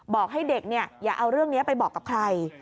บอกให้เด็กอย่าเอาเรื่องนี้ไปบอกกับใคร